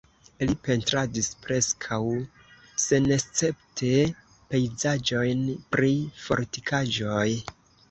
Li pentradis preskaŭ senescepte pejzaĝojn pri fortikaĵoj.